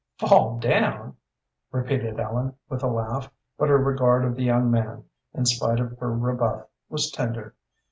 "Fall down!" repeated Ellen, with a laugh, but her regard of the young man, in spite of her rebuff, was tender.